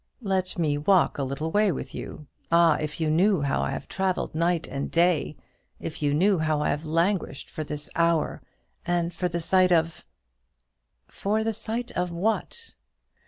"Let me walk with you a little way. Ah, if you knew how I have travelled night and day; if you knew how I have languished for this hour, and for the sight of " For the sight of what?